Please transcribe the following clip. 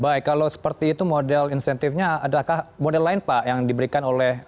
baik kalau seperti itu model insentifnya adakah model lain pak yang diberikan oleh